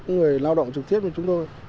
người lao động trực tiếp với chúng tôi